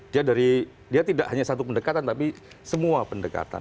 dia dari dia tidak hanya satu pendekatan tapi semua pendekatan